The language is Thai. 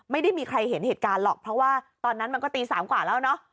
ไม่ได้มีใครเห็นเหตุการณ์หรอกเพราะว่าตอนนั้นมันก็ตี๓กว่าแล้วเนอะ